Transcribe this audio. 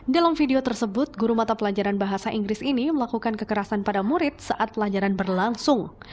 dalam video tersebut guru mata pelajaran bahasa inggris ini melakukan kekerasan pada murid saat pelajaran berlangsung